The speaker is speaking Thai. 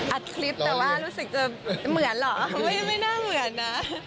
อัดคลิปแต่ว่ารู้สึกจะเหมือนเหรอไม่น่าเหมือนนะ